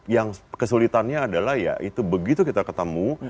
yang kesulitannya adalah ya itu begitu kita ketemu